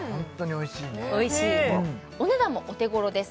おいしいお値段もお手ごろです